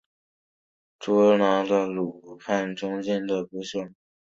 后又用计捉拿俘虏了叛将札合敢不和他的部众。